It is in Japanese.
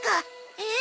えっ？